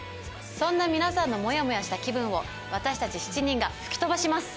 そんな皆さんのモヤモヤした気分を私たち７人が吹き飛ばします。